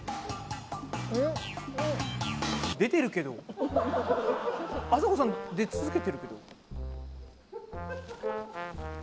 出てるけどあさこさん出続けてるけど。